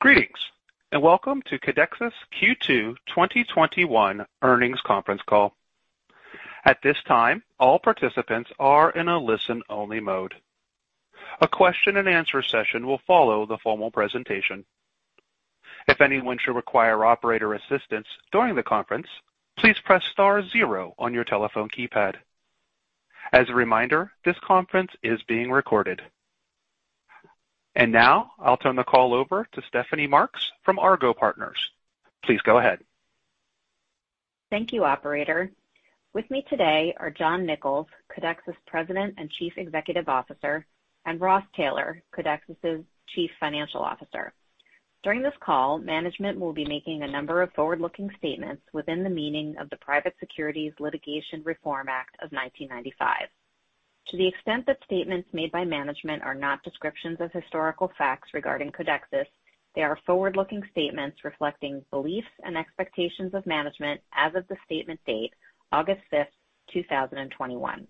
Greetings, welcome to Codexis' Q2 2021 Earnings Conference Call. At this time, all participants are in a listen-only mode. A question and answer session will follow the formal presentation. If anyone should require operator assistance during the conference, please press star zero on your telephone keypad. As a reminder, this conference is being recorded. Now I'll turn the call over to Stephanie Marks from Argot Partners. Please go ahead. Thank you, operator. With me today are John Nicols, Codexis' President and Chief Executive Officer, and Ross Taylor, Codexis' Chief Financial Officer. During this call, management will be making a number of forward-looking statements within the meaning of the Private Securities Litigation Reform Act of 1995. To the extent that statements made by management are not descriptions of historical facts regarding Codexis, they are forward-looking statements reflecting the beliefs and expectations of management as of the statement date August 5th, 2021.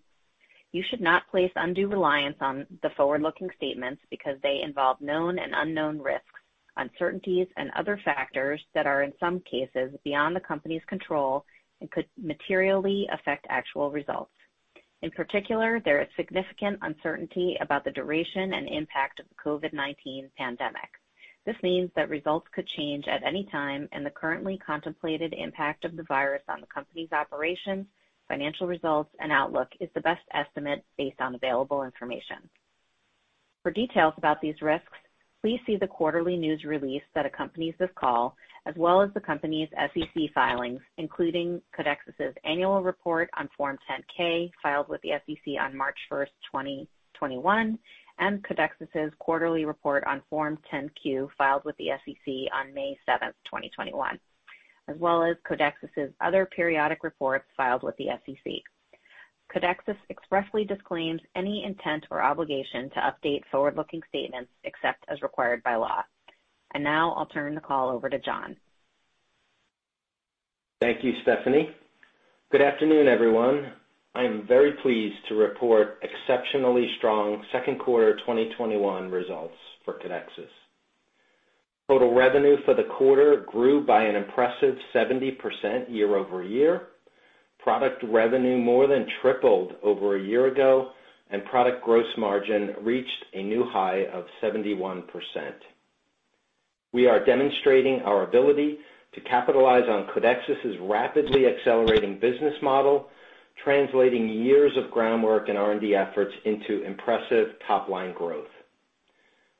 You should not place undue reliance on the forward-looking statements because they involve known and unknown risks, uncertainties and other factors that are in some cases beyond the company's control and could materially affect actual results. In particular, there is significant uncertainty about the duration and impact of the COVID-19 pandemic. This means that results could change at any time, and the currently contemplated impact of the virus on the company's operations, financial results, and outlook is the best estimate based on available information. For details about these risks, please see the quarterly news release that accompanies this call, as well as the company's SEC filings, including Codexis' annual report on Form 10-K, filed with the SEC on March 1st, 2021, and Codexis' quarterly report on Form 10-Q, filed with the SEC on May 7th, 2021, as well as Codexis' other periodic reports filed with the SEC. Codexis expressly disclaims any intent or obligation to update forward-looking statements except as required by law. Now I'll turn the call over to John. Thank you, Stephanie. Good afternoon, everyone. I am very pleased to report exceptionally strong second quarter 2021 results for Codexis. Total revenue for the quarter grew by an impressive 70% year-over-year. Product revenue more than tripled over a year ago, and product gross margin reached a new high of 71%. We are demonstrating our ability to capitalize on Codexis' rapidly accelerating business model, translating years of groundwork and R&D efforts into impressive top-line growth.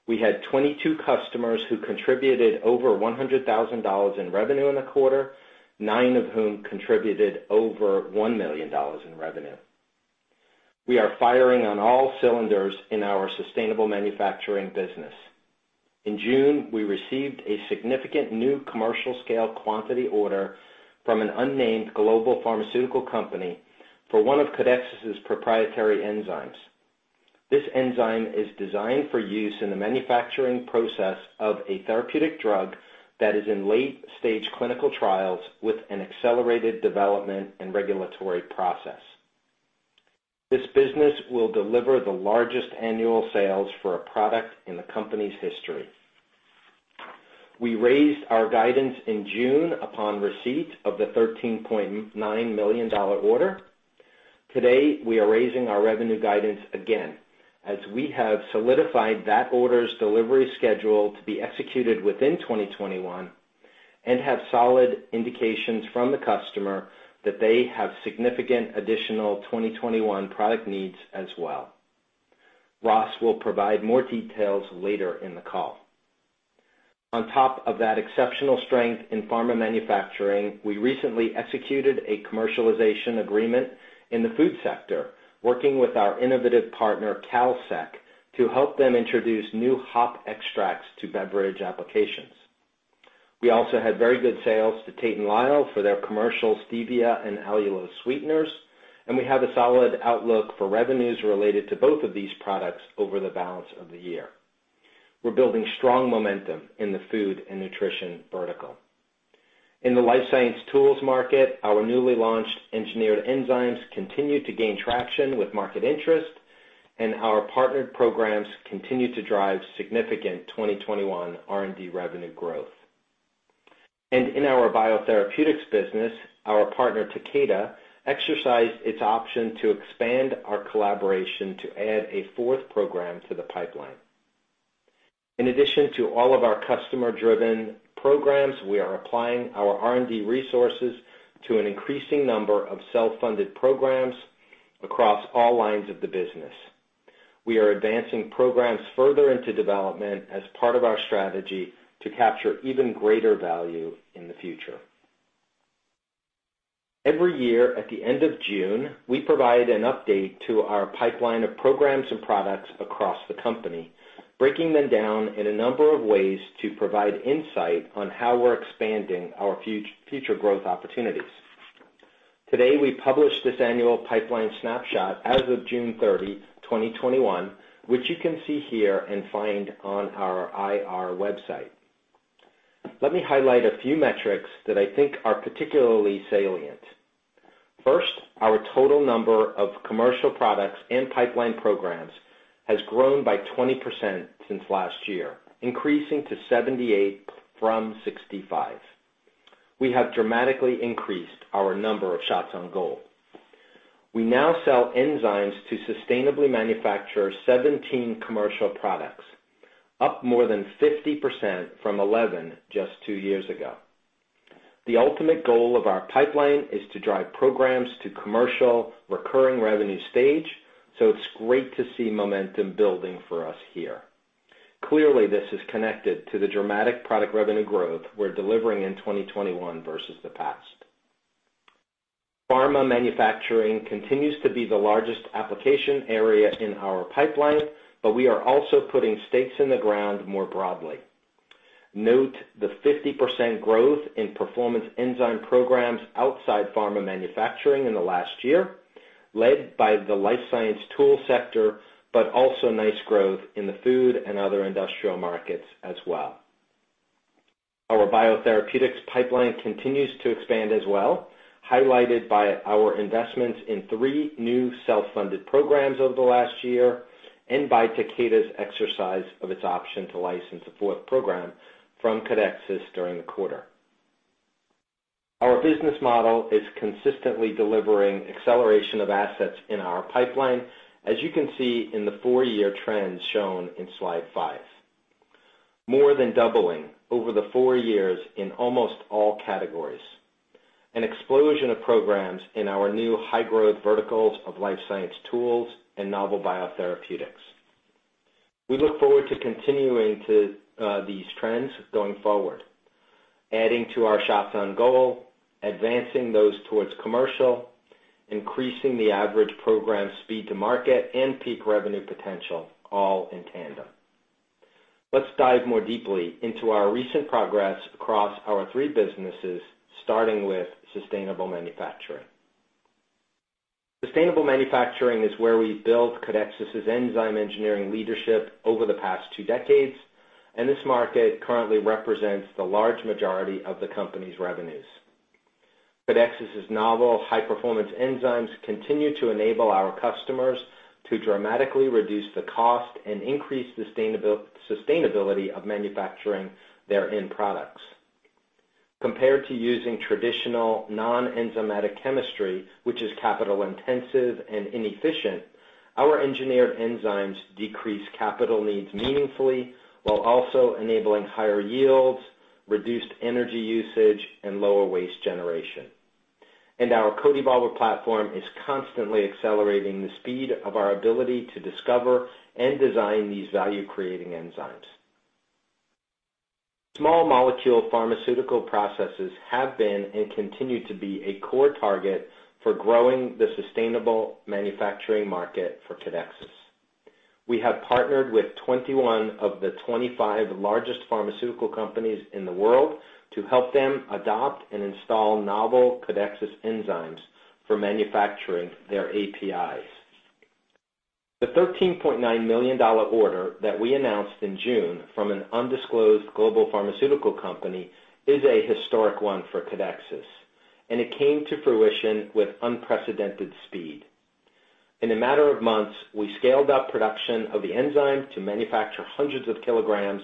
We had 22 customers who contributed over $100,000 in revenue in the quarter, nine of whom contributed over $1 million in revenue. We are firing on all cylinders in our sustainable manufacturing business. In June, we received a significant new commercial scale quantity order from an unnamed global pharmaceutical company for one of Codexis' proprietary enzymes. This enzyme is designed for use in the manufacturing process of a therapeutic drug that is in late-stage clinical trials with an accelerated development and regulatory process. This business will deliver the largest annual sales for a product in the company's history. We raised our guidance in June upon receipt of the $13.9 million order. Today, we are raising our revenue guidance again, as we have solidified that order's delivery schedule to be executed within 2021 and have solid indications from the customer that they have significant additional 2021 product needs as well. Ross will provide more details later in the call. On top of that exceptional strength in pharma manufacturing, we recently executed a commercialization agreement in the food sector, working with our innovative partner, Kalsec, to help them introduce new hop extracts to beverage applications. We also had very good sales to Tate & Lyle for their commercial stevia and allulose sweeteners. We have a solid outlook for revenues related to both of these products over the balance of the year. We're building strong momentum in the food and nutrition vertical. In the life science tools market, our newly launched engineered enzymes continue to gain traction with market interest. Our partnered programs continue to drive significant 2021 R&D revenue growth. In our biotherapeutics business, our partner, Takeda, exercised its option to expand our collaboration to add a fourth program to the pipeline. In addition to all of our customer-driven programs, we are applying our R&D resources to an increasing number of self-funded programs across all lines of the business. We are advancing programs further into development as part of our strategy to capture even greater value in the future. Every year at the end of June, we provide an update to our pipeline of programs and products across the company, breaking them down in a number of ways to provide insight on how we're expanding our future growth opportunities. Today, we published this annual pipeline snapshot as of June 30, 2021, which you can see here and find on our IR website. Let me highlight a few metrics that I think are particularly salient. First, our total number of commercial products and pipeline programs has grown by 20% since last year, increasing to 78 from 65. We have dramatically increased our number of shots on goal. We now sell enzymes to sustainably manufacture 17 commercial products, up more than 50% from 11 just two years ago. The ultimate goal of our pipeline is to drive programs to commercial recurring revenue stage, so it's great to see momentum building for us here. Clearly, this is connected to the dramatic product revenue growth we're delivering in 2021 versus the past. Pharma manufacturing continues to be the largest application area in our pipeline, but we are also putting stakes in the ground more broadly. Note the 50% growth in Performance Enzymes programs outside pharma manufacturing in the last year, led by the life science tool sector, but also nice growth in the food and other industrial markets as well. Our biotherapeutics pipeline continues to expand as well, highlighted by our investments in three new self-funded programs over the last year and by Takeda's exercise of its option to license a fourth program from Codexis during the quarter. Our business model is consistently delivering acceleration of assets in our pipeline, as you can see in the four-year trends shown in slide five. More than doubling over the four years in almost all categories. An explosion of programs in our new high growth verticals of life science tools and Novel Biotherapeutics. We look forward to continuing these trends going forward, adding to our shots on goal, advancing those towards commercial, increasing the average program speed to market, and peak revenue potential, all in tandem. Let's dive more deeply into our recent progress across our three businesses, starting with sustainable manufacturing. Sustainable manufacturing is where we built Codexis' enzyme engineering leadership over the past two decades. This market currently represents the large majority of the company's revenues. Codexis' novel high-performance enzymes continue to enable our customers to dramatically reduce the cost and increase sustainability of manufacturing their end products. Compared to using traditional non-enzymatic chemistry, which is capital intensive and inefficient, our engineered enzymes decrease capital needs meaningfully while also enabling higher yields, reduced energy usage, and lower waste generation. Our CodeEvolver platform is constantly accelerating the speed of our ability to discover and design these value-creating enzymes. Small molecule pharmaceutical processes have been and continue to be a core target for growing the sustainable manufacturing market for Codexis. We have partnered with 21 of the 25 largest pharmaceutical companies in the world to help them adopt and install novel Codexis enzymes for manufacturing their APIs. The $13.9 million order that we announced in June from an undisclosed global pharmaceutical company is a historic one for Codexis, and it came to fruition with unprecedented speed. In a matter of months, we scaled up production of the enzyme to manufacture hundreds of kilograms.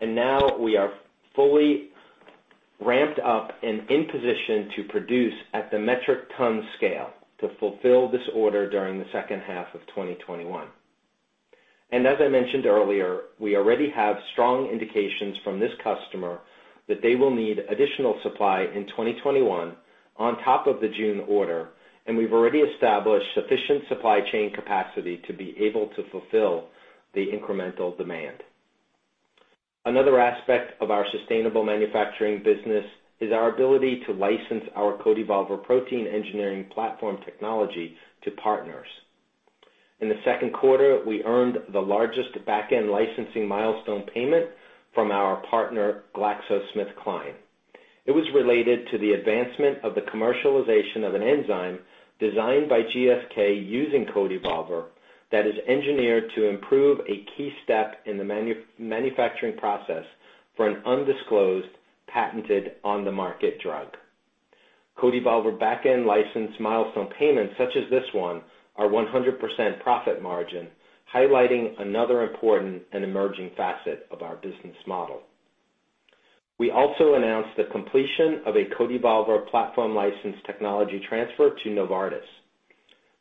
Now we are fully ramped up and in position to produce at the metric ton scale to fulfill this order during the second half of 2021. As I mentioned earlier, we already have strong indications from this customer that they will need additional supply in 2021 on top of the June order, and we've already established sufficient supply chain capacity to be able to fulfill the incremental demand. Another aspect of our sustainable manufacturing business is our ability to license our CodeEvolver protein engineering platform technology to partners. In the second quarter, we earned the largest back-end licensing milestone payment from our partner, GlaxoSmithKline. It was related to the advancement of the commercialization of an enzyme designed by GSK using CodeEvolver that is engineered to improve a key step in the manufacturing process for an undisclosed, patented, on-the-market drug. CodeEvolver back-end license milestone payments such as this one are 100% profit margin, highlighting another important and emerging facet of our business model. We also announced the completion of a CodeEvolver platform license technology transfer to Novartis.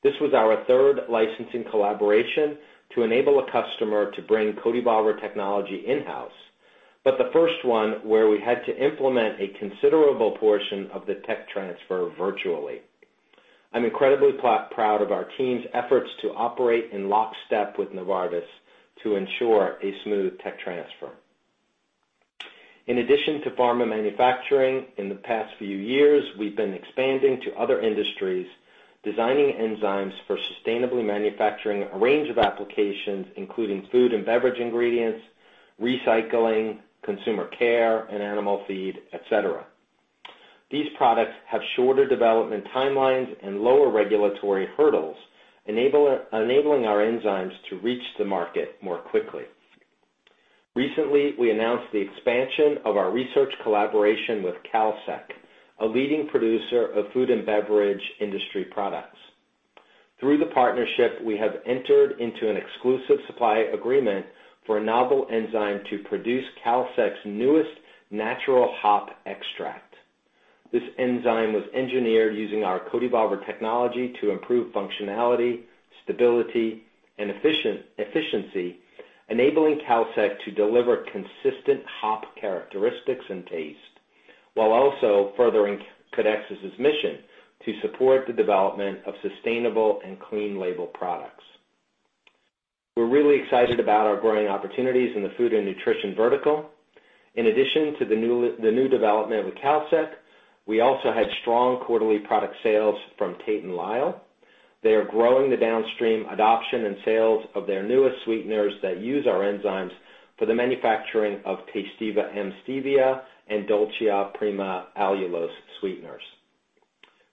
This was our third licensing collaboration to enable a customer to bring CodeEvolver technology in-house, but the first one where we had to implement a considerable portion of the tech transfer virtually. I'm incredibly proud of our team's efforts to operate in lockstep with Novartis to ensure a smooth tech transfer. In addition to pharma manufacturing, in the past few years, we've been expanding to other industries, designing enzymes for sustainably manufacturing a range of applications, including food and beverage ingredients, recycling, consumer care, and animal feed, et cetera. These products have shorter development timelines and lower regulatory hurdles, enabling our enzymes to reach the market more quickly. Recently, we announced the expansion of our research collaboration with Kalsec, a leading producer of food and beverage industry products. Through the partnership, we have entered into an exclusive supply agreement for a novel enzyme to produce Kalsec's newest natural hop extract. This enzyme was engineered using our CodeEvolver technology to improve functionality, stability, and efficiency, enabling Kalsec to deliver consistent hop characteristics and taste, while also furthering Codexis' mission to support the development of sustainable and clean label products. We're really excited about our growing opportunities in the food and nutrition vertical. In addition to the new development with Kalsec, we also had strong quarterly product sales from Tate & Lyle. They are growing the downstream adoption and sales of their newest sweeteners that use our enzymes for the manufacturing of Tasteva M Stevia and DOLCIA PRIMA Allulose sweeteners.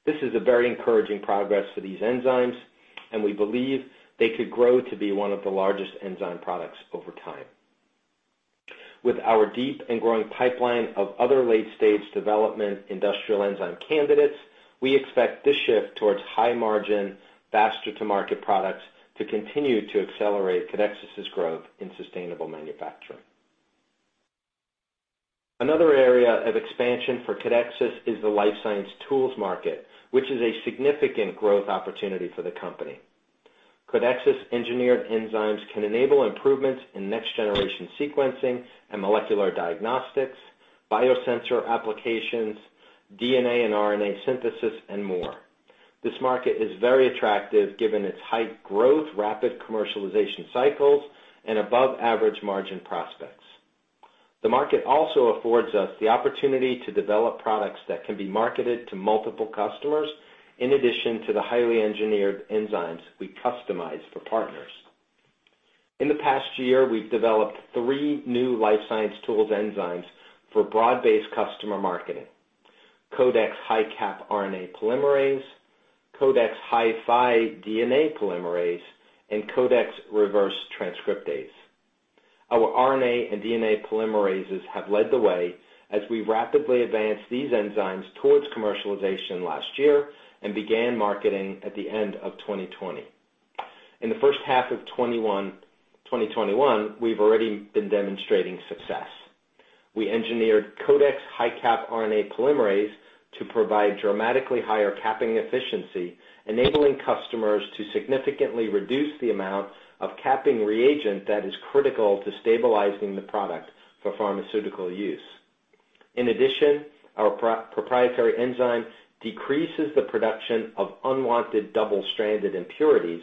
This is a very encouraging progress for these enzymes. We believe they could grow to be one of the largest enzyme products over time. With our deep and growing pipeline of other late-stage development industrial enzyme candidates, we expect this shift towards high margin, faster-to-market products to continue to accelerate Codexis' growth in sustainable manufacturing. Another area of expansion for Codexis is the life science tools market, which is a significant growth opportunity for the company. Codexis engineered enzymes can enable improvements in next generation sequencing and molecular diagnostics, biosensor applications, DNA and RNA synthesis, and more. This market is very attractive given its high growth, rapid commercialization cycles, and above-average margin prospects. The market also affords us the opportunity to develop products that can be marketed to multiple customers, in addition to the highly engineered enzymes we customize for partners. In the past year, we've developed three new life science tools enzymes for broad-based customer marketing, Codex HiCap RNA Polymerase, Codex HiFi DNA Polymerase, and Reverse Transcriptase. Our RNA and DNA Polymerases have led the way as we rapidly advanced these enzymes towards commercialization last year and began marketing at the end of 2020. In the first half of 2021, we've already been demonstrating success. We engineered Codex HiCap RNA Polymerase to provide dramatically higher capping efficiency, enabling customers to significantly reduce the amount of capping reagent that is critical to stabilizing the product for pharmaceutical use. In addition, our proprietary enzyme decreases the production of unwanted double-stranded impurities,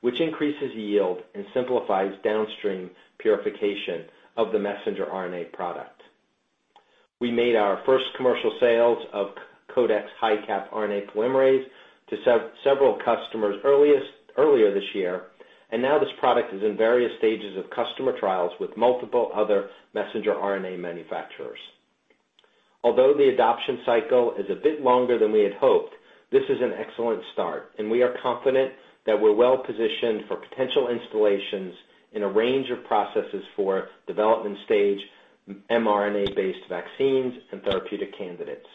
which increases yield and simplifies downstream purification of the messenger RNA product. We made our first commercial sales of Codex HiCap RNA Polymerase to several customers earlier this year, and now this product is in various stages of customer trials with multiple other messenger RNA manufacturers. Although the adoption cycle is a bit longer than we had hoped, this is an excellent start, and we are confident that we're well positioned for potential installations in a range of processes for development stage mRNA-based vaccines and therapeutic candidates.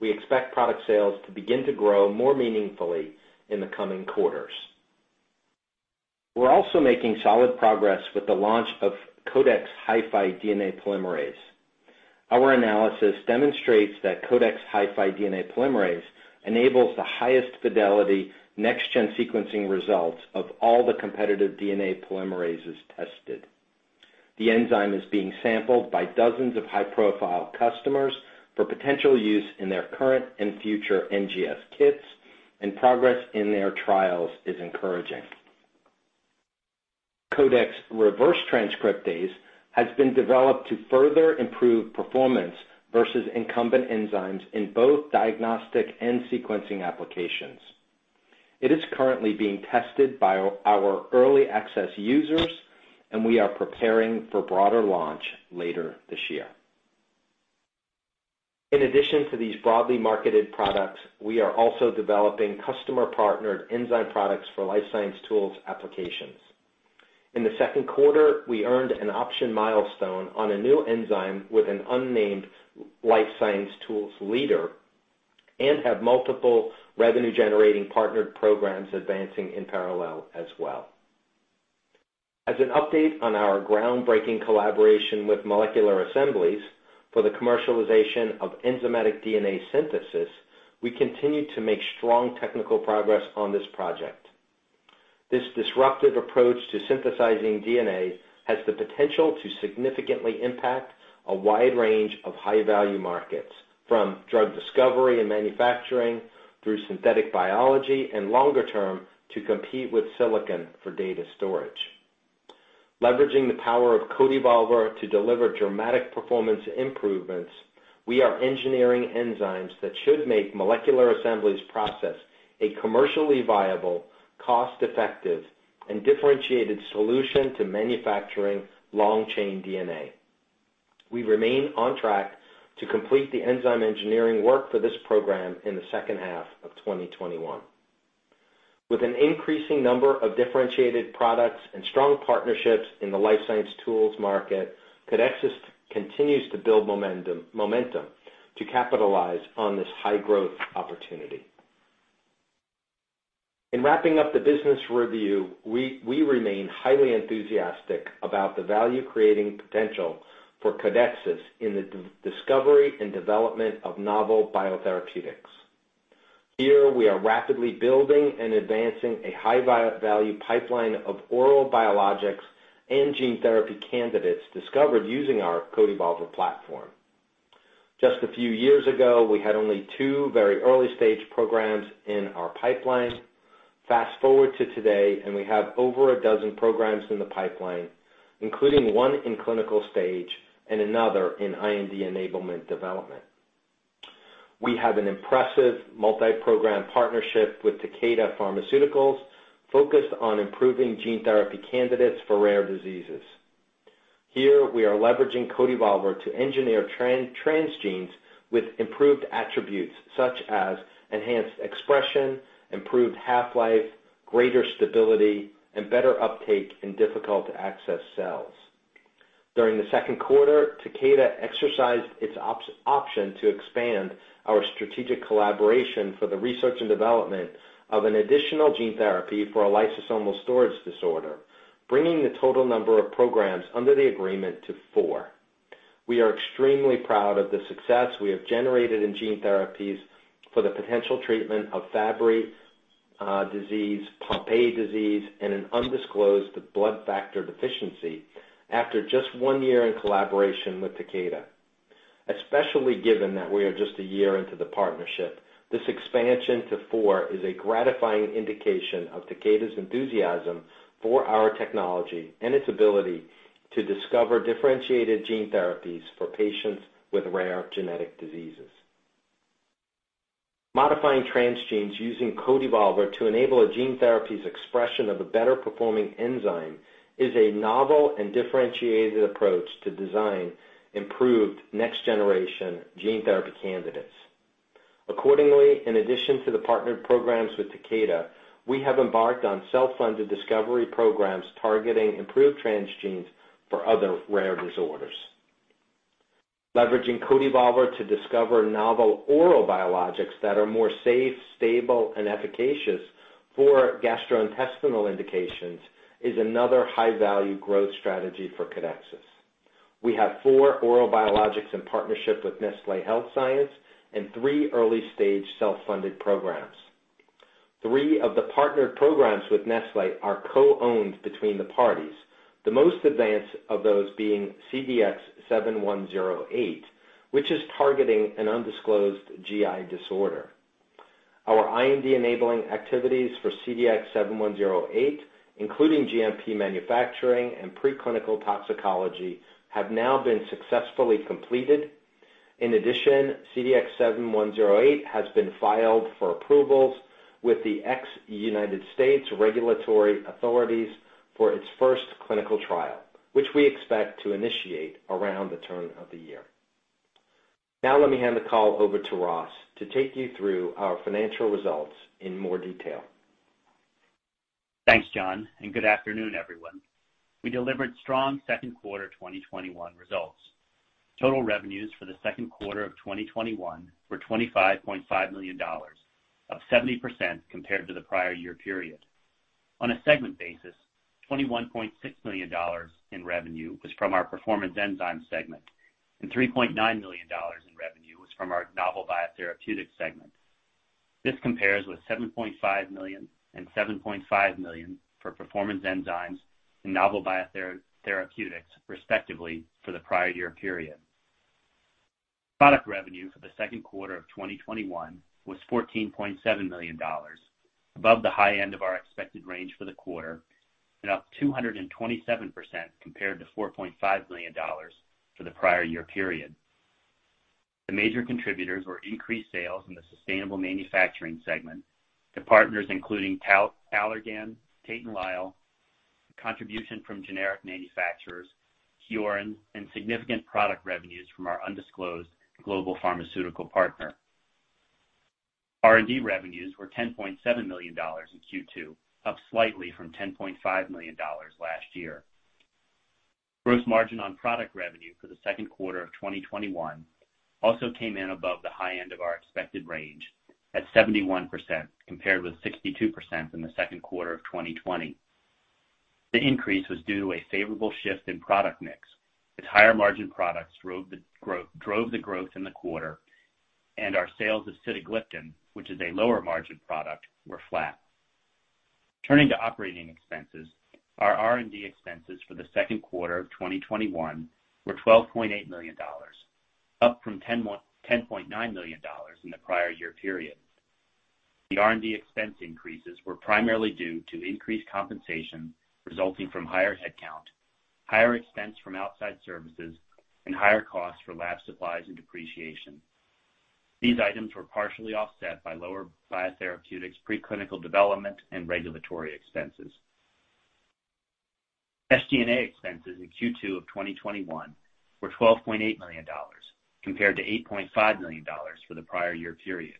We expect product sales to begin to grow more meaningfully in the coming quarters. We're also making solid progress with the launch of Codex HiFi DNA Polymerase. Our analysis demonstrates that Codex HiFi DNA Polymerase enables the highest fidelity next gen sequencing results of all the competitive DNA Polymerases tested. The enzyme is being sampled by dozens of high-profile customers for potential use in their current and future NGS kits, and progress in their trials is encouraging. Codex Reverse Transcriptase has been developed to further improve performance versus incumbent enzymes in both diagnostic and sequencing applications. It is currently being tested by our early access users, and we are preparing for broader launch later this year. In addition to these broadly marketed products, we are also developing customer partnered enzyme products for life science tools applications. In the second quarter, we earned an option milestone on a new enzyme with an unnamed life science tools leader, and have multiple revenue generating partnered programs advancing in parallel as well. As an update on our groundbreaking collaboration with Molecular Assemblies for the commercialization of enzymatic DNA synthesis, we continue to make strong technical progress on this project. This disruptive approach to synthesizing DNA has the potential to significantly impact a wide range of high-value markets, from drug discovery and manufacturing through synthetic biology, and longer term, to compete with silicon for data storage. Leveraging the power of CodeEvolver to deliver dramatic performance improvements, we are engineering enzymes that should make Molecular Assemblies' process a commercially viable cost-effective and differentiated solution to manufacturing long-chain DNA. We remain on track to complete the enzyme engineering work for this program in the second half of 2021. With an increasing number of differentiated products and strong partnerships in the life science tools market, Codexis continues to build momentum to capitalize on this high-growth opportunity. In wrapping up the business review, we remain highly enthusiastic about the value-creating potential for Codexis in the discovery and development of Novel Biotherapeutics. Here, we are rapidly building and advancing a high-value pipeline of oral biologics and gene therapy candidates discovered using our CodeEvolver platform. Just a few years ago, we had only two very early-stage programs in our pipeline. Fast-forward to today, and we have over a dozen programs in the pipeline, including one in clinical stage and another in IND enablement development. We have an impressive multi-program partnership with Takeda Pharmaceuticals focused on improving gene therapy candidates for rare diseases. Here, we are leveraging CodeEvolver to engineer transgenes with improved attributes such as enhanced expression, improved half-life, greater stability, and better uptake in difficult-to-access cells. During the second quarter, Takeda exercised its option to expand our strategic collaboration for the research and development of an additional gene therapy for a lysosomal storage disorder, bringing the total number of programs under the agreement to four. We are extremely proud of the success we have generated in gene therapies for the potential treatment of Fabry disease, Pompe disease, and an undisclosed blood factor deficiency after just one year in collaboration with Takeda. Especially given that we are just a year into the partnership, this expansion to four is a gratifying indication of Takeda's enthusiasm for our technology and its ability to discover differentiated gene therapies for patients with rare genetic diseases. Modifying transgenes using CodeEvolver to enable a gene therapy's expression of a better-performing enzyme is a novel and differentiated approach to design improved next-generation gene therapy candidates. Accordingly, in addition to the partnered programs with Takeda, we have embarked on self-funded discovery programs targeting improved transgenes for other rare disorders. Leveraging CodeEvolver to discover novel oral biologics that are more safe, stable, and efficacious for gastrointestinal indications is another high-value growth strategy for Codexis. We have four oral biologics in partnership with Nestlé Health Science and three early-stage self-funded programs. Three of the partnered programs with Nestlé are co-owned between the parties, the most advanced of those being CDX-7108, which is targeting an undisclosed GI disorder. Our IND-enabling activities for CDX-7108, including GMP manufacturing and preclinical toxicology, have now been successfully completed. In addition, CDX-7108 has been filed for approvals with the ex-United States regulatory authorities for its first clinical trial, which we expect to initiate around the turn of the year. Now, let me hand the call over to Ross to take you through our financial results in more detail. Thanks, John, and good afternoon, everyone. We delivered strong second quarter 2021 results. Total revenues for the second quarter of 2021 were $25.5 million, up 70% compared to the prior year period. On a segment basis, $21.6 million in revenue was from our Performance Enzymes segment and $3.9 million in revenue was from our Novel Biotherapeutics segment. This compares with $7.5 million and $7.5 million for Performance Enzymes and Novel Biotherapeutics respectively for the prior year period. Product revenue for the second quarter of 2021 was $14.7 million, above the high end of our expected range for the quarter, and up 227% compared to $4.5 million for the prior year period. The major contributors were increased sales in the sustainable manufacturing segment to partners including Allergan, Tate & Lyle, contribution from generic manufacturers, Kyorin, and significant product revenues from our undisclosed global pharmaceutical partner. R&D revenues were $10.7 million in Q2, up slightly from $10.5 million last year. Gross margin on product revenue for the second quarter of 2021 also came in above the high end of our expected range at 71%, compared with 62% in the second quarter of 2020. The increase was due to a favorable shift in product mix, as higher-margin products drove the growth in the quarter and our sales of sitagliptin, which is a lower-margin product, were flat. Turning to operating expenses, our R&D expenses for the second quarter of 2021 were $12.8 million, up from $10.9 million in the prior year period. The R&D expense increases were primarily due to increased compensation resulting from higher headcount, higher expense from outside services, and higher costs for lab supplies and depreciation. These items were partially offset by lower biotherapeutics preclinical development and regulatory expenses. SG&A expenses in Q2 of 2021 were $12.8 million, compared to $8.5 million for the prior year period.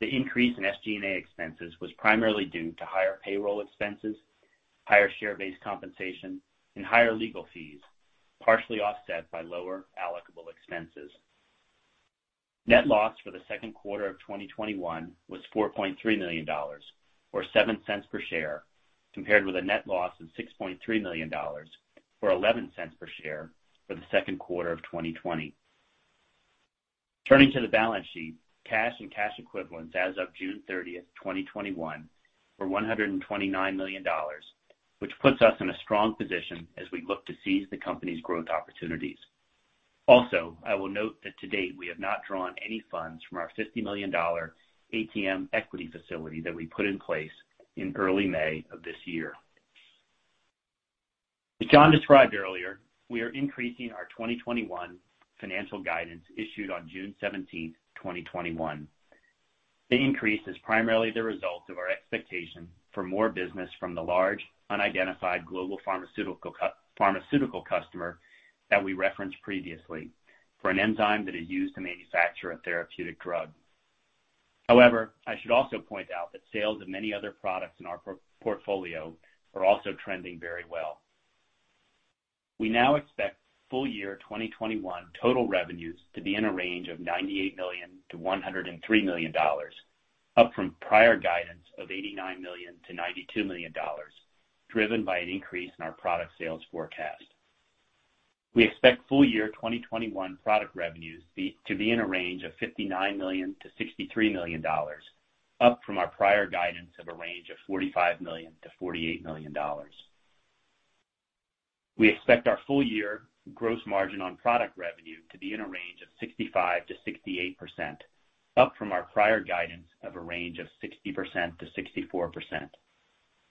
The increase in SG&A expenses was primarily due to higher payroll expenses, higher share-based compensation, and higher legal fees, partially offset by lower allocable expenses. Net loss for the second quarter of 2021 was $4.3 million, or $0.07 per share, compared with a net loss of $6.3 million, or $0.11 per share for the second quarter of 2020. Turning to the balance sheet, cash and cash equivalents as of June 30th, 2021, were $129 million, which puts us in a strong position as we look to seize the company's growth opportunities. Also, I will note that to date, we have not drawn any funds from our $50 million ATM equity facility that we put in place in early May of this year. As John described earlier, we are increasing our 2021 financial guidance issued on June 17th, 2021. The increase is primarily the result of our expectation for more business from the large unidentified global pharmaceutical customer that we referenced previously for an enzyme that is used to manufacture a therapeutic drug. However, I should also point out that sales of many other products in our portfolio are also trending very well. We now expect full year 2021 total revenues to be in a range of $98 million-$103 million, up from prior guidance of $89 million-$92 million, driven by an increase in our product sales forecast. We expect full year 2021 product revenues to be in a range of $59 million-$63 million, up from our prior guidance of a range of $45 million-$48 million. We expect our full year gross margin on product revenue to be in a range of 65%-68%, up from our prior guidance of a range of 60%-64%.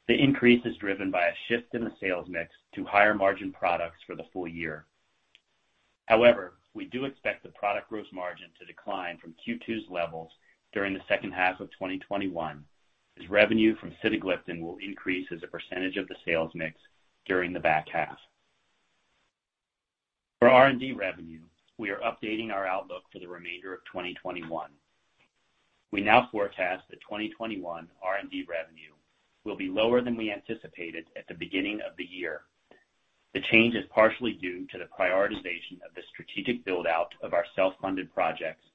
The increase is driven by a shift in the sales mix to higher margin products for the full year. However, we do expect the product gross margin to decline from Q2's levels during the second half of 2021, as revenue from sitagliptin will increase as a % of the sales mix during the back half. For R&D revenue, we are updating our outlook for the remainder of 2021. We now forecast that 2021 R&D revenue will be lower than we anticipated at the beginning of the year. The change is partially due to the prioritization of the strategic build-out of our self-funded projects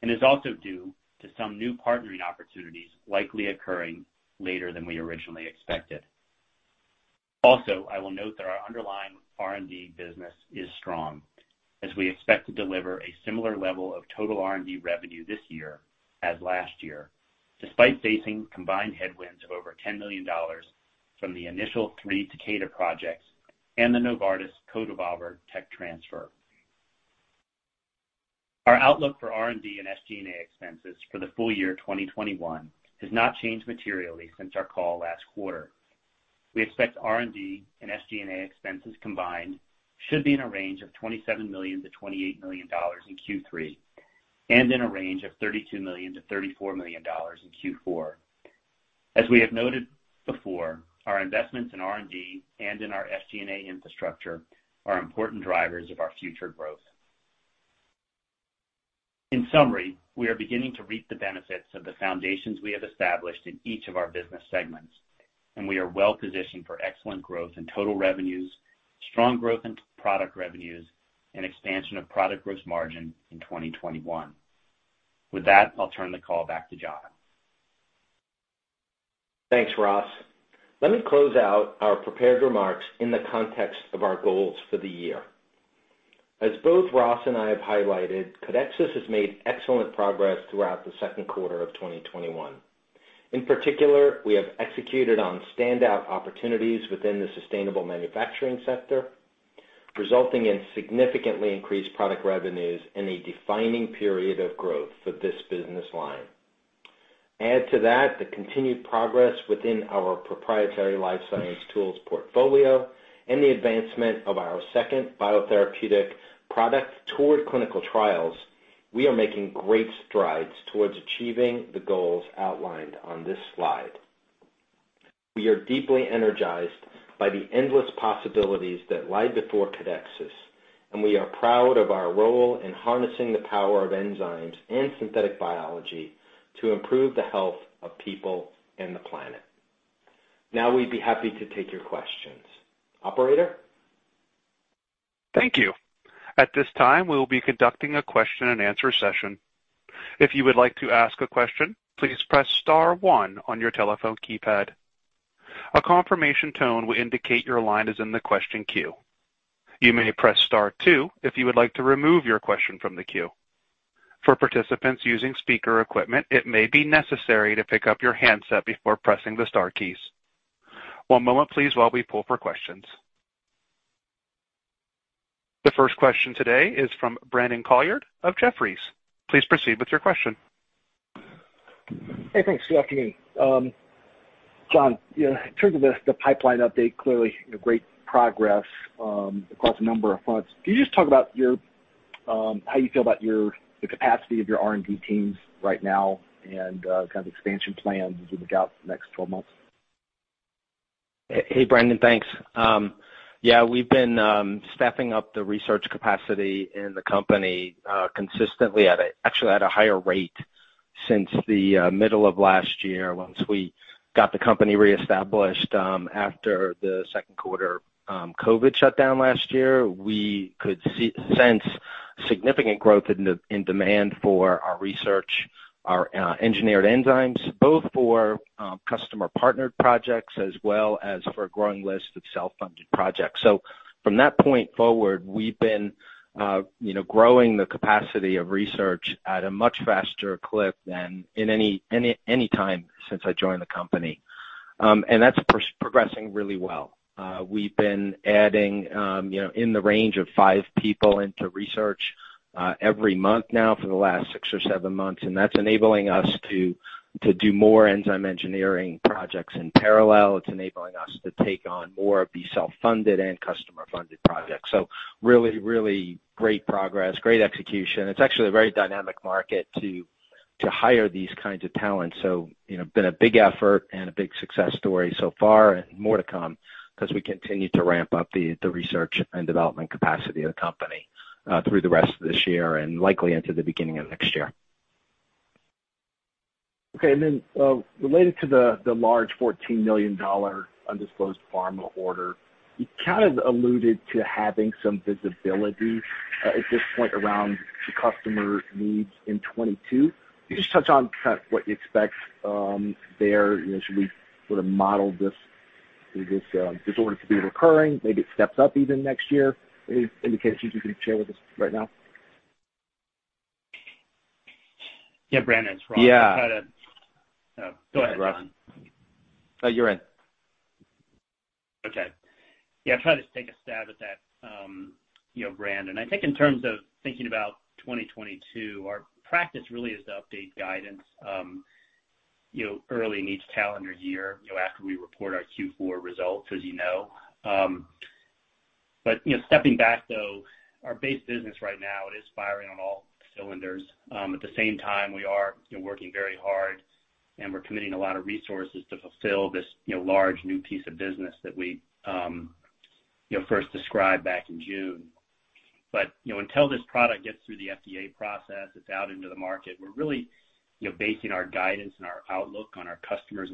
and is also due to some new partnering opportunities likely occurring later than we originally expected. Also, I will note that our underlying R&D business is strong, as we expect to deliver a similar level of total R&D revenue this year as last year, despite facing combined headwinds of over $10 million from the initial three Takeda projects and the Novartis CodeEvolver tech transfer. Our outlook for R&D and SG&A expenses for the full year 2021 has not changed materially since our call last quarter. We expect R&D and SG&A expenses combined should be in a range of $27 million-$28 million in Q3 and in a range of $32 million-$34 million in Q4. As we have noted before, our investments in R&D and in our SG&A infrastructure are important drivers of our future growth. In summary, we are beginning to reap the benefits of the foundations we have established in each of our business segments, and we are well positioned for excellent growth in total revenues, strong growth in product revenues, and expansion of product gross margin in 2021. With that, I'll turn the call back to John. Thanks, Ross. Let me close out our prepared remarks in the context of our goals for the year. As both Ross and I have highlighted, Codexis has made excellent progress throughout the second quarter of 2021. In particular, we have executed on standout opportunities within the sustainable manufacturing sector, resulting in significantly increased product revenues and a defining period of growth for this business line. Add to that the continued progress within our proprietary life science tools portfolio and the advancement of our second biotherapeutic product toward clinical trials, we are making great strides towards achieving the goals outlined on this slide. We are deeply energized by the endless possibilities that lie before Codexis, and we are proud of our role in harnessing the power of enzymes and synthetic biology to improve the health of people and the planet. Now, we'd be happy to take your questions. Operator? Thank you. At this time, we'll be conducting our question-and-answer session. If you would like to ask a question, please press star one on your telephone keypad. A confirmation tone will indicate your line is in the question queue. You may press star two if you would like to remove your question from the queue. For participants using speaker equipment, it may be necessary to pick up your handset before pressing the star keys. One moment please while we pool the questions. The first question today is from Brandon Couillard of Jefferies. Please proceed with your question. Hey, thanks. Good afternoon. John, in terms of the pipeline update, clearly great progress across a number of fronts. Can you just talk about how you feel about the capacity of your R&D teams right now and expansion plans as you look out for the next 12 months? Hey, Brandon. Thanks. Yeah, we've been staffing up the research capacity in the company consistently, actually, at a higher rate since the middle of last year. Once we got the company reestablished after the second quarter COVID shutdown last year, we could sense significant growth in demand for our research, our engineered enzymes, both for customer partnered projects as well as for a growing list of self-funded projects. From that point forward, we've been growing the capacity of research at a much faster clip than in any time since I joined the company. That's progressing really well. We've been adding in the range of five people into research every month now for the last six or seven months. That's enabling us to do more enzyme engineering projects in parallel. It's enabling us to take on more of the self-funded and customer-funded projects. Really, really great progress, great execution. It is actually a very dynamic market to hire these kinds of talents. Been a big effort and a big success story so far and more to come because we continue to ramp up the research and development capacity of the company through the rest of this year and likely into the beginning of next year. Okay. Related to the large $14 million undisclosed pharma order, you kind of alluded to having some visibility at this point around the customer needs in 2022. Can you just touch on kind of what you expect there? Should we sort of model this order to be recurring, maybe it steps up even next year? Any indications you can share with us right now? Yeah, Brandon. Yeah. Go ahead, Ross. No, you're in. Okay. Yeah, I'll try to take a stab at that, Brandon. I think in terms of thinking about 2022, our practice really is to update guidance early in each calendar year, after we report our Q4 results, as you know. Stepping back, though, our base business right now is firing on all cylinders. At the same time, we are working very hard and we're committing a lot of resources to fulfill this large new piece of business that we first described back in June. Until this product gets through the FDA process, it's out into the market, we're really basing our guidance and our outlook on our customers'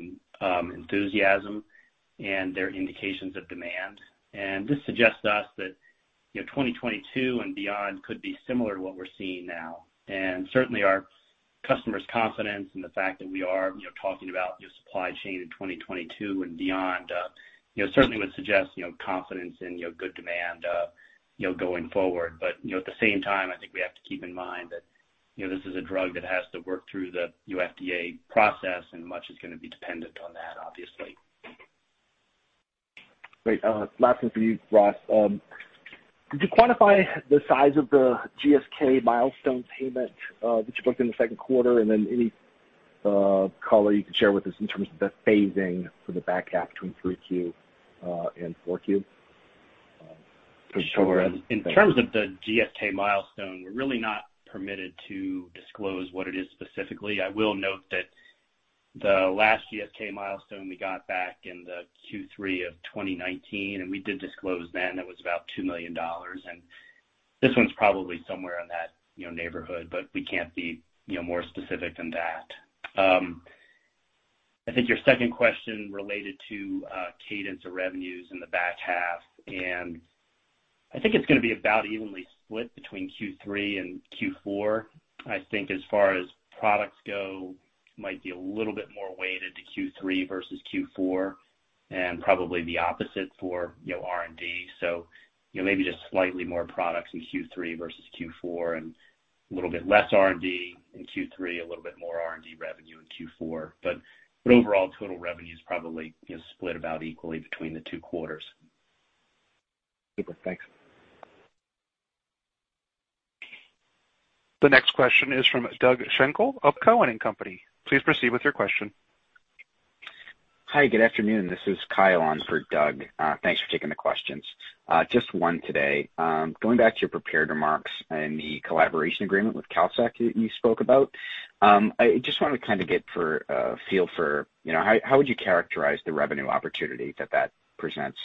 enthusiasm and their indications of demand. This suggests to us that 2022 and beyond could be similar to what we're seeing now. Certainly our customers' confidence and the fact that we are talking about your supply chain in 2022 and beyond certainly would suggest confidence in good demand going forward. At the same time, I think we have to keep in mind that this is a drug that has to work through the FDA process and much is going to be dependent on that, obviously. Great. Last one for you, Ross. Could you quantify the size of the GSK milestone payment that you booked in the second quarter, and then any color you could share with us in terms of the phasing for the back half between 3Q and 4Q? For sure. In terms of the GSK milestone, we're really not permitted to disclose what it is specifically. I will note that the last GSK milestone we got back in the Q3 of 2019, and we did disclose then it was about $2 million, and this one's probably somewhere in that neighborhood, but we can't be more specific than that. I think your second question related to cadence of revenues in the back half, and I think it's going to be about evenly split between Q3 and Q4. I think as far as products go, might be a little bit more weighted to Q3 versus Q4, and probably the opposite for R&D. Maybe just slightly more products in Q3 versus Q4 and a little bit less R&D in Q3, a little bit more R&D revenue in Q4. Overall, total revenue is probably split about equally between the two quarters. Super. Thanks. The next question is from Doug Schenkel of Cowen and Company. Please proceed with your question. Hi, good afternoon. This is Kyle on for Doug. Thanks for taking the questions. Just one today. Going back to your prepared remarks and the collaboration agreement with Kalsec that you spoke about, I just wanted to kind of get a feel for how would you characterize the revenue opportunity that that presents?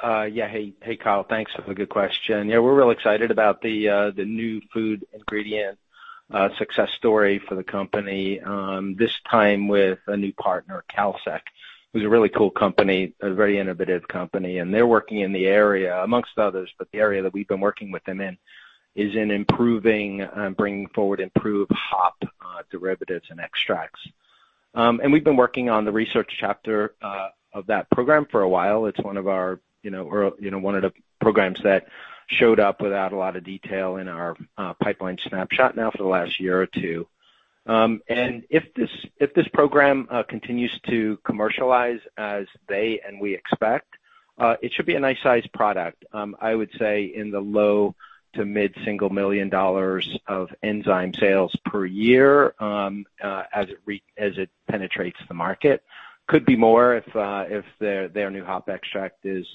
Hey, Kyle. Thanks for the good question. We're real excited about the new food ingredient success story for the company, this time with a new partner, Kalsec, who's a really cool company, a very innovative company. They're working in the area, amongst others, but the area that we've been working with them in is in improving, bringing forward improved hop derivatives and extracts. We've been working on the research chapter of that program for a while. It's one of the programs that showed up without a lot of detail in our pipeline snapshot now for the last year or two. If this program continues to commercialize as they and we expect, it should be a nice-sized product. I would say in the low to mid single million dollars of enzyme sales per year, as it penetrates the market. Could be more if their new hop extract is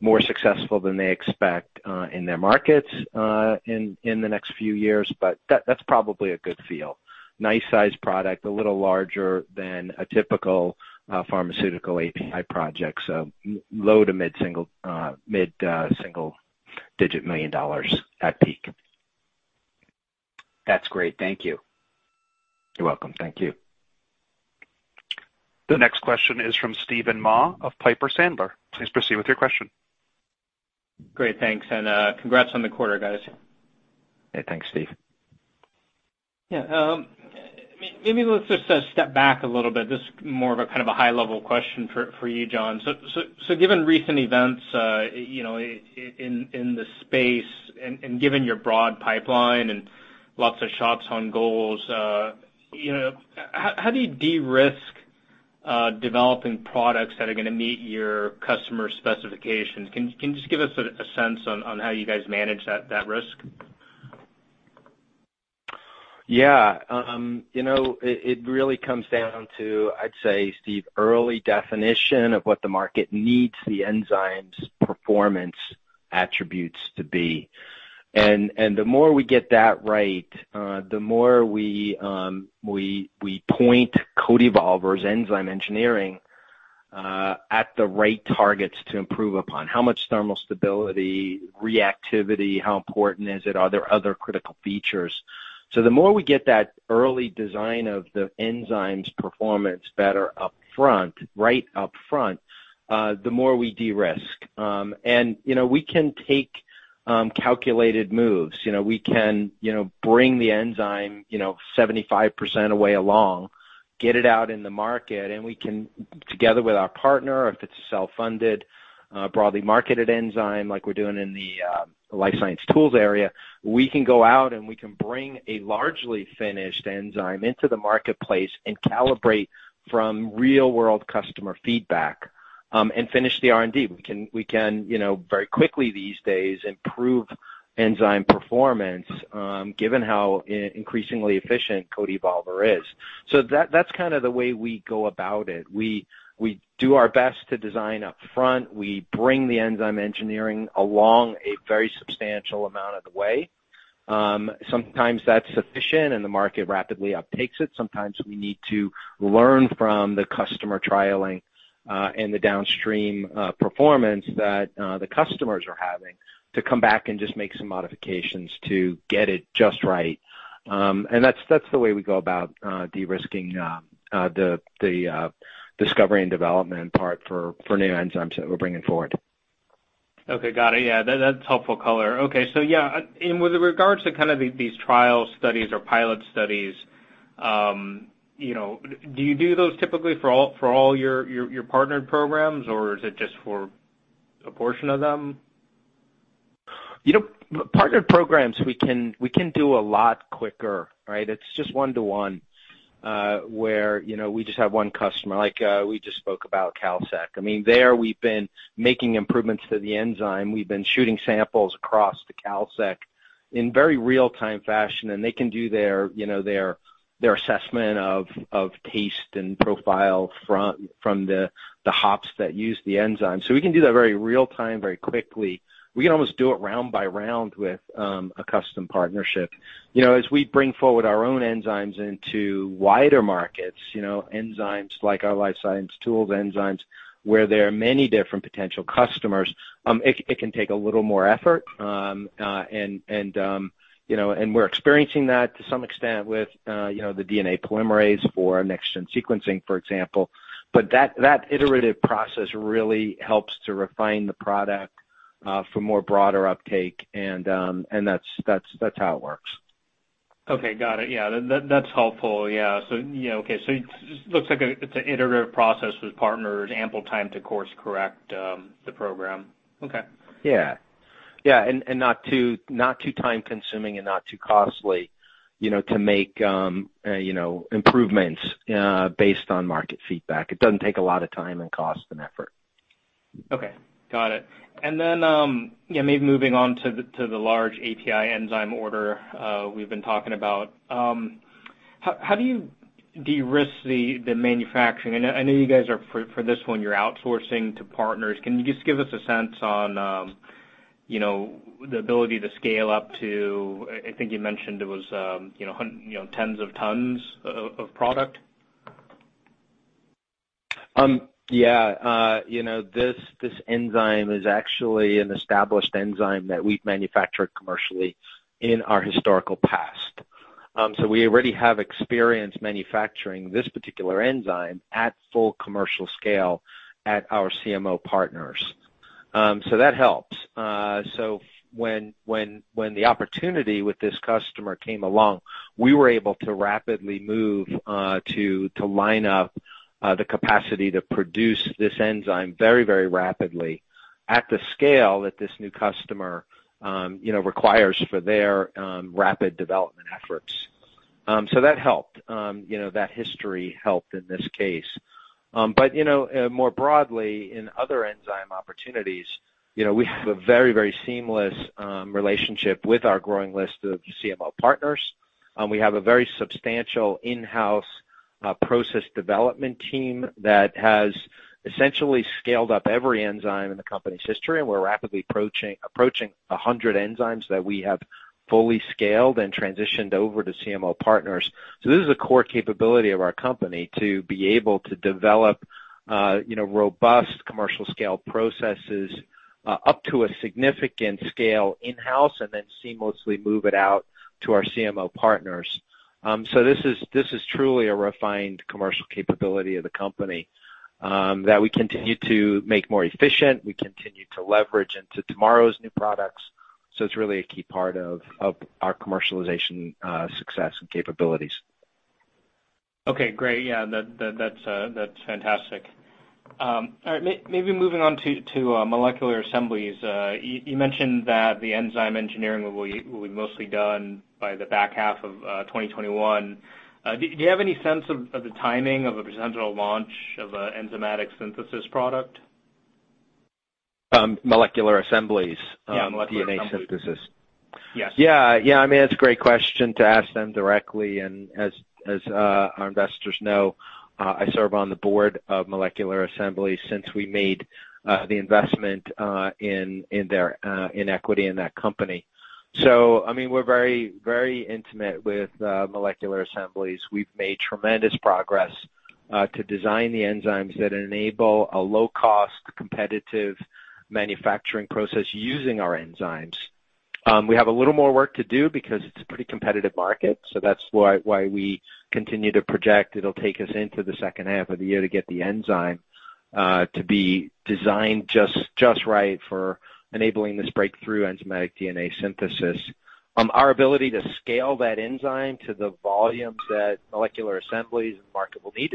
more successful than they expect in their markets in the next few years. That's probably a good feel. Nice sized product, a little larger than a typical pharmaceutical API project. Low to mid single digit million dollars at peak. That's great. Thank you. You're welcome. Thank you. The next question is from Steven Mah of Piper Sandler. Please proceed with your question. Great. Thanks, and congrats on the quarter, guys. Hey, thanks, Steven. Yeah. Maybe let's just step back a little bit. This is more of a high-level question for you, John. Given recent events in the space and given your broad pipeline and lots of shots on goals, how do you de-risk developing products that are going to meet your customer specifications? Can you just give us a sense on how you guys manage that risk? Yeah. It really comes down to, I'd say, the early definition of what the market needs the enzyme's performance attributes to be. The more we get that right, the more we point CodeEvolver's enzyme engineering at the right targets to improve upon how much thermal stability, reactivity, how important is it, are there other critical features? The more we get that early design of the enzyme's performance better upfront, right upfront, the more we de-risk. We can take calculated moves. We can bring the enzyme 75% of the way along, get it out in the market, and we can, together with our partner, if it's a self-funded, broadly marketed enzyme like we're doing in the life science tools area, we can go out and we can bring a largely finished enzyme into the marketplace and calibrate from real-world customer feedback, and finish the R&D. We can very quickly these days improve enzyme performance, given how increasingly efficient CodeEvolver is. That's the way we go about it. We do our best to design upfront. We bring the enzyme engineering along a very substantial amount of the way. Sometimes that's sufficient and the market rapidly uptakes it. Sometimes we need to learn from the customer trialing, and the downstream performance that the customers are having to come back and just make some modifications to get it just right. That's the way we go about de-risking the discovery and development part for new enzymes that we're bringing forward. Okay, got it. Yeah, that's helpful color. Okay. Yeah, and with regards to these trial studies or pilot studies, do you do those typically for all your partnered programs, or is it just for a portion of them? Partnered programs, we can do a lot quicker, right? It's just one to one, where we just have one customer. Like we just spoke about Kalsec. There, we've been making improvements to the enzyme. We've been shooting samples across to Kalsec in very real-time fashion, they can do their assessment of taste and profile from the hops that use the enzyme. We can do that very real time, very quickly. We can almost do it round by round with a custom partnership. As we bring forward our own enzymes into wider markets, enzymes like our life science tools enzymes, where there are many different potential customers, it can take a little more effort. We're experiencing that to some extent with the DNA Polymerase for next-gen sequencing, for example. That iterative process really helps to refine the product, for more broader uptake. That's how it works. Okay, got it. Yeah. That's helpful. Yeah. Okay. It looks like it's an iterative process with partners, ample time to course correct the program. Okay. Yeah. Not too time consuming and not too costly to make improvements based on market feedback. It doesn't take a lot of time and cost and effort. Okay. Got it. Maybe moving on to the large API enzyme order we've been talking about. How do you de-risk the manufacturing? I know you guys are, for this one, you're outsourcing to partners. Can you just give us a sense on the ability to scale up to, I think you mentioned it was tens of tons of product? Yeah. This enzyme is actually an established enzyme that we've manufactured commercially in our historical past. We already have experience manufacturing this particular enzyme at full commercial scale at our CMO partners. That helps. When the opportunity with this customer came along, we were able to rapidly move to line up the capacity to produce this enzyme very rapidly at the scale that this new customer requires for their rapid development efforts. That helped. That history helped in this case. More broadly, in other enzyme opportunities, we have a very seamless relationship with our growing list of CMO partners. We have a very substantial in-house process development team that has essentially scaled up every enzyme in the company's history, and we're rapidly approaching 100 enzymes that we have fully scaled and transitioned over to CMO partners. This is a core capability of our company, to be able to develop robust commercial scale processes up to a significant scale in-house and then seamlessly move it out to our CMO partners. This is truly a refined commercial capability of the company that we continue to make more efficient, we continue to leverage into tomorrow's new products. It's really a key part of our commercialization success and capabilities. Okay, great. Yeah, that's fantastic. All right. Maybe moving on to Molecular Assemblies. You mentioned that the enzyme engineering will be mostly done by the back half of 2021. Do you have any sense of the timing of a potential launch of an enzymatic synthesis product? Molecular Assemblies DNA synthesis. Yes. It's a great question to ask them directly, and as our investors know, I serve on the board of Molecular Assemblies since we made the investment in equity in that company. We're very intimate with Molecular Assemblies. We've made tremendous progress to design the enzymes that enable a low-cost, competitive manufacturing process using our enzymes. We have a little more work to do because it's a pretty competitive market, so that's why we continue to project it'll take us into the second half of the year to get the enzyme to be designed just right for enabling this breakthrough enzymatic DNA synthesis. Our ability to scale that enzyme to the volume that Molecular Assemblies and the market will need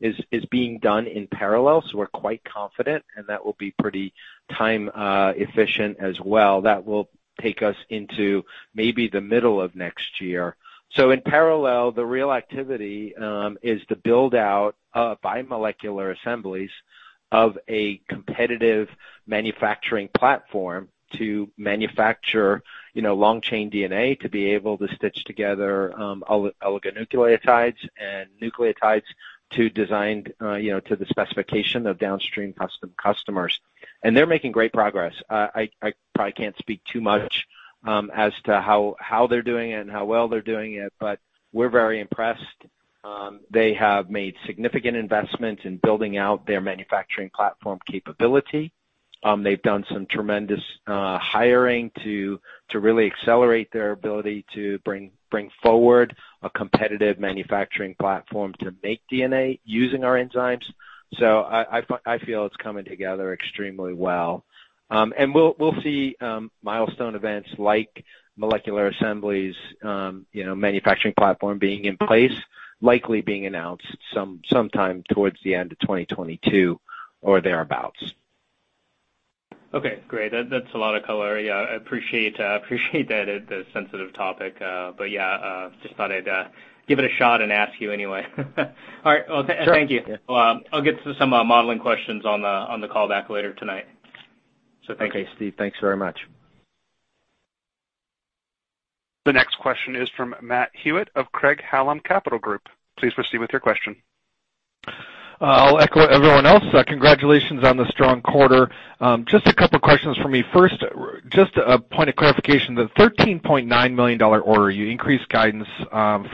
is being done in parallel, so we're quite confident, and that will be pretty time efficient as well. That will take us into maybe the middle of next year. In parallel, the real activity is the build-out by Molecular Assemblies of a competitive manufacturing platform to manufacture long-chain DNA to be able to stitch together oligonucleotides and nucleotides to the specification of downstream customers. They're making great progress. I probably can't speak too much as to how they're doing it and how well they're doing it, but we're very impressed. They have made significant investments in building out their manufacturing platform capability. They've done some tremendous hiring to really accelerate their ability to bring forward a competitive manufacturing platform to make DNA using our enzymes. I feel it's coming together extremely well. We'll see milestone events like Molecular Assemblies' manufacturing platform being in place, likely being announced sometime towards the end of 2022 or thereabouts. Okay, great. That's a lot of color. Yeah, I appreciate that it's a sensitive topic. Just thought I'd give it a shot and ask you anyway. All right. Sure. Thank you. I'll get to some modeling questions on the callback later tonight. Thank you. Okay, Steve. Thanks very much. The next question is from Matt Hewitt of Craig-Hallum Capital Group. Please proceed with your question. I'll echo everyone else. Congratulations on the strong quarter. Just a couple questions for me. First, just a point of clarification, the $13.9 million order you increased guidance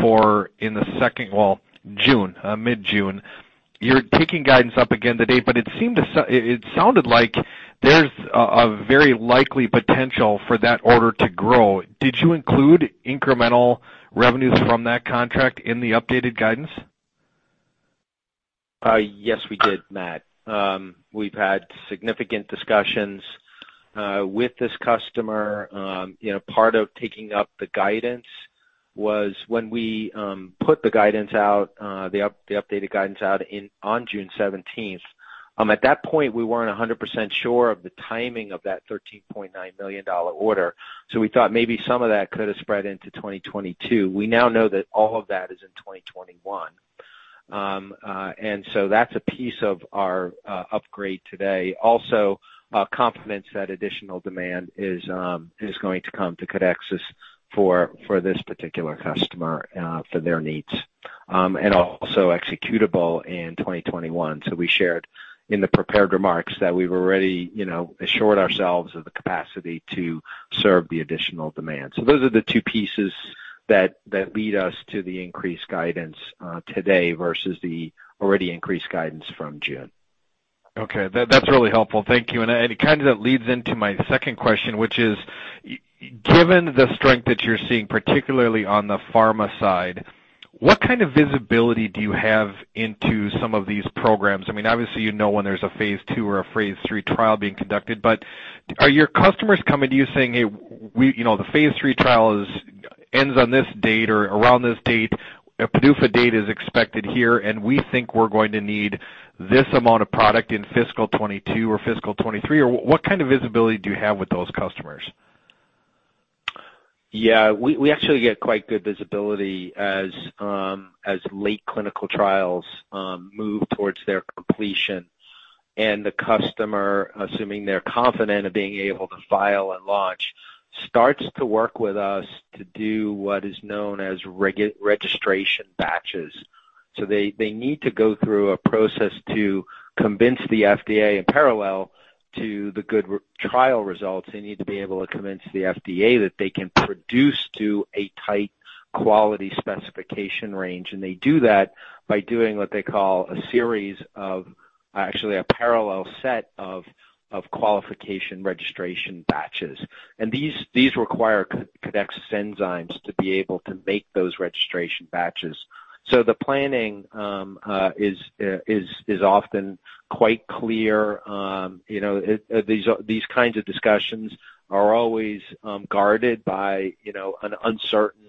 for in June, mid-June. You're taking guidance up again today, but it sounded like there's a very likely potential for that order to grow. Did you include incremental revenues from that contract in the updated guidance? Yes, we did, Matt. We've had significant discussions with this customer. Part of taking up the guidance was when we put the updated guidance out on June 17th. At that point, we weren't 100% sure of the timing of that $13.9 million order, so we thought maybe some of that could have spread into 2022. We now know that all of that is in 2021. That's a piece of our upgrade today. Also, complements that additional demand is going to come to Codexis for this particular customer, for their needs. Executable in 2021. We shared in the prepared remarks that we've already assured ourselves of the capacity to serve the additional demand. Those are the two pieces that lead us to the increased guidance today versus the already increased guidance from June. Okay. That's really helpful. Thank you. It kind of leads into my second question, which is, given the strength that you're seeing, particularly on the pharma side, what kind of visibility do you have into some of these programs? Obviously, you know when there's a phase II or a phase III trial being conducted, but are your customers coming to you saying, "Hey, the phase III trial ends on this date or around this date, a PDUFA date is expected here, and we think we're going to need this amount of product in fiscal 2022 or fiscal 2023." What kind of visibility do you have with those customers? Yeah, we actually get quite good visibility as late clinical trials move towards their completion and the customer, assuming they're confident of being able to file and launch, starts to work with us to do what is known as registration batches. They need to go through a process to convince the FDA in parallel to the good trial results. They need to be able to convince the FDA that they can produce to a tight quality specification range. They do that by doing what they call a series of, actually, a parallel set of qualification registration batches. These require Codexis enzymes to be able to make those registration batches. The planning is often quite clear. These kinds of discussions are always guarded by an uncertain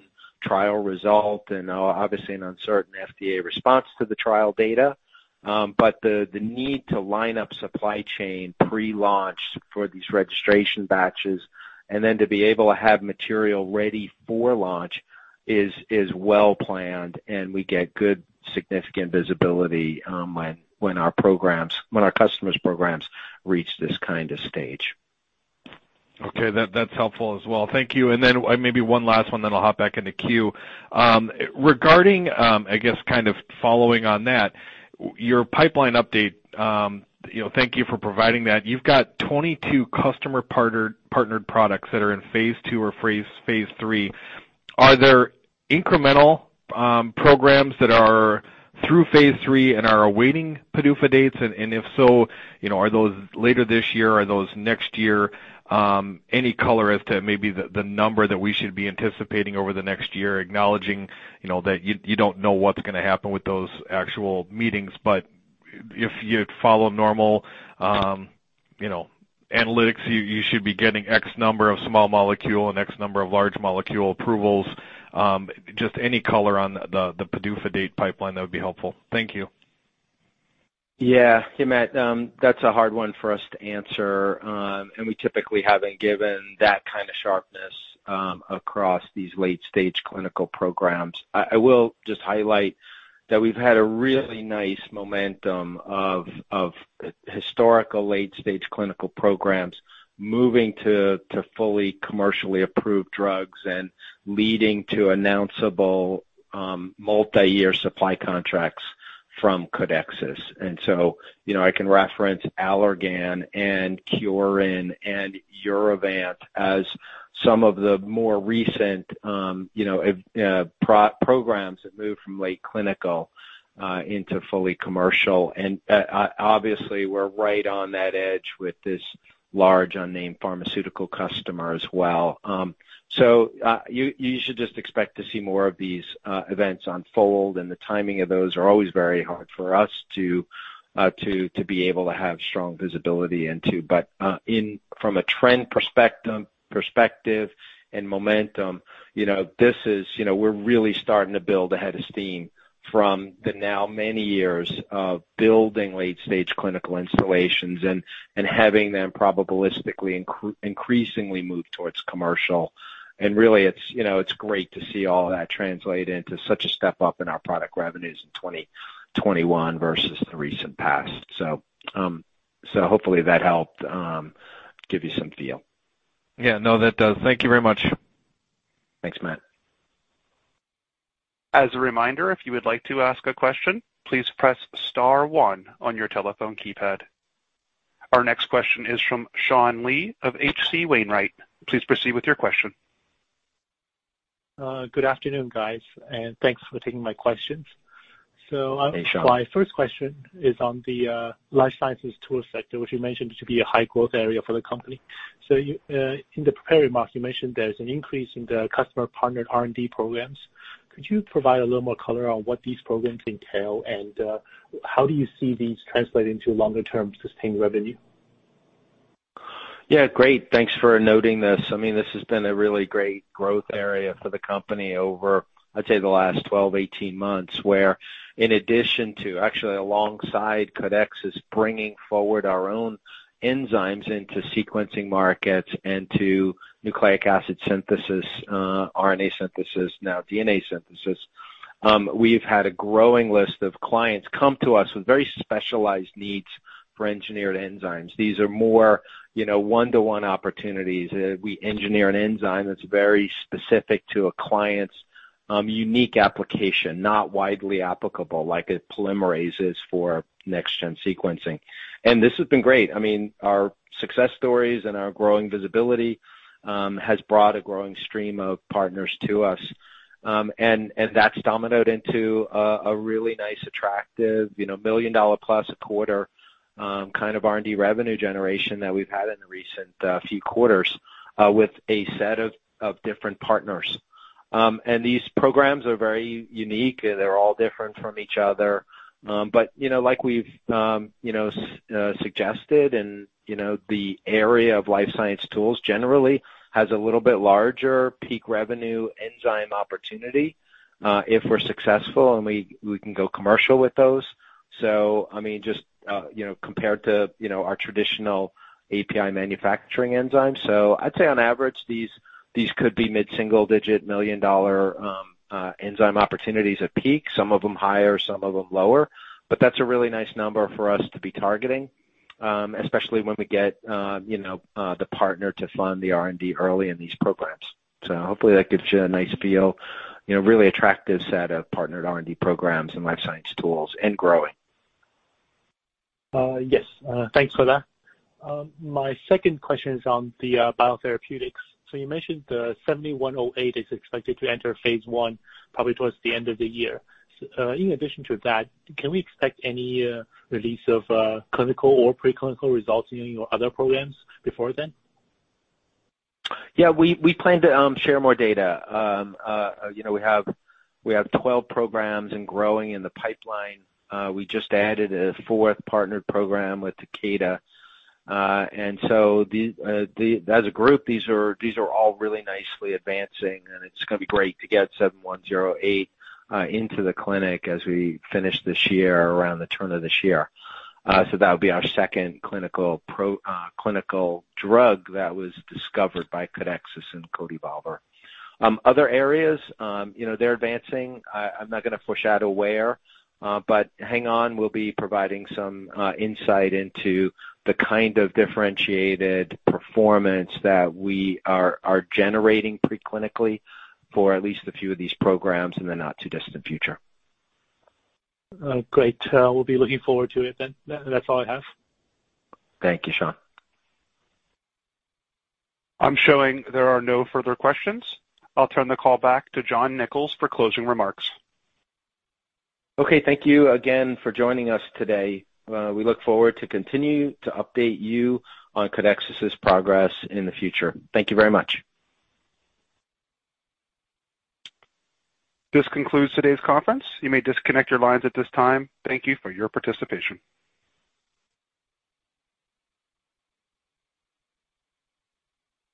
trial result and obviously an uncertain FDA response to the trial data. The need to line up supply chain pre-launch for these registration batches and then to be able to have material ready for launch is well planned, and we get good significant visibility, when our customers' programs reach this kind of stage. Okay, that's helpful as well. Thank you. Then maybe one last one, then I'll hop back in the queue. Regarding, I guess, kind of following on that, your pipeline update, thank you for providing that. You've got 22 customer partnered products that are in phase II or phase III. Are there incremental programs that are through phase III and are awaiting PDUFA dates? If so, are those later this year? Are those next year? Any color as to maybe the number that we should be anticipating over the next year, acknowledging, that you don't know what's going to happen with those actual meetings, but if you follow normal analytics, you should be getting X number of small molecule and X number of large molecule approvals. Just any color on the PDUFA date pipeline, that would be helpful. Thank you. Yeah. Hey, Matt. That's a hard one for us to answer. We typically haven't given that kind of sharpness across these late-stage clinical programs. I will just highlight that we've had a really nice momentum of historical late-stage clinical programs moving to fully commercially approved drugs and leading to announceable multi-year supply contracts from Codexis. I can reference Allergan and Kyorin and Urovant as some of the more recent programs that moved from late clinical into fully commercial. Obviously we're right on that edge with this large unnamed pharmaceutical customer as well. You should just expect to see more of these events unfold and the timing of those are always very hard for us to be able to have strong visibility into. From a trend perspective and momentum, we're really starting to build a head of steam from the now many years of building late-stage clinical installations and having them probabilistically increasingly move towards commercial. Really it's great to see all that translate into such a step up in our product revenues in 2021 versus the recent past. Hopefully that helped give you some feel. Yeah, no, that does. Thank you very much. Thanks, Matt. As a reminder, if you would like to ask a question, please press star one on your telephone keypad. Our next question is from Sean Lee of H.C. Wainwright. Please proceed with your question. Good afternoon, guys, and thanks for taking my questions. Hey, Sean. My first question is on the life sciences tool sector, which you mentioned to be a high growth area for the company. In the prepared remarks, you mentioned there's an increase in the customer partnered R&D programs. Could you provide a little more color on what these programs entail and how do you see these translating to longer term sustained revenue? Yeah, great. Thanks for noting this. This has been a really great growth area for the company over, I'd say, the last 12, 18 months, where in addition to, actually alongside Codexis bringing forward our own enzymes into sequencing markets and to nucleic acid synthesis, RNA synthesis, now DNA synthesis. We've had a growing list of clients come to us with very specialized needs for engineered enzymes. These are more one-to-one opportunities. We engineer an enzyme that's very specific to a client's unique application, not widely applicable like a polymerase is for next gen sequencing. This has been great. Our success stories and our growing visibility has brought a growing stream of partners to us. That's dominoed into a really nice, attractive, $1 million plus a quarter R&D revenue generation that we've had in the recent few quarters with a set of different partners. These programs are very unique. They're all different from each other. Like we've suggested and the area of life science tools generally has a little bit larger peak revenue enzyme opportunity if we're successful and we can go commercial with those. Just compared to our traditional API manufacturing enzymes. I'd say on average, these could be mid-single digit million-dollar enzyme opportunities at peak, some of them higher, some of them lower. That's a really nice number for us to be targeting, especially when we get the partner to fund the R&D early in these programs. Hopefully that gives you a nice feel, really attractive set of partnered R&D programs and life science tools, and growing. Yes. Thanks for that. My second question is on the biotherapeutics. You mentioned the CDX-7108 is expected to enter phase I probably towards the end of the year. In addition to that, can we expect any release of clinical or pre-clinical results in your other programs before then? Yeah, we plan to share more data. We have 12 programs and growing in the pipeline. We just added a 4th partnered program with Takeda. As a group, these are all really nicely advancing, and it's going to be great to get CDX-7108 into the clinic as we finish this year, around the turn of this year. That'll be our 2nd clinical drug that was discovered by Codexis and CodeEvolver. Other areas, they're advancing. I'm not going to foreshadow where. Hang on, we'll be providing some insight into the kind of differentiated performance that we are generating pre-clinically for at least a few of these programs in the not too distant future. Great. We'll be looking forward to it then. That's all I have. Thank you, Sean. I'm showing there are no further questions. I'll turn the call back to John Nicols for closing remarks. Thank you again for joining us today. We look forward to continue to update you on Codexis' progress in the future. Thank you very much. This concludes today's conference. You may disconnect your lines at this time. Thank you for your participation.